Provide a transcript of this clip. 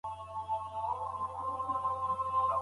ولې کورني شرکتونه کیمیاوي سره له ایران څخه واردوي؟